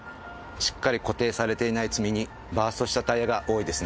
しっかり固定されていない積み荷バーストしたタイヤが多いですね。